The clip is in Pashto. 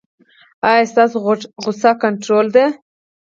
ایا ستاسو غوسه کنټرول ده؟